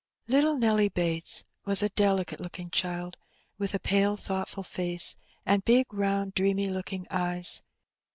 Little Nelly Bates was a delicate looking child, with a pale, thoughtful face, and big, round, dreamy looking eyes.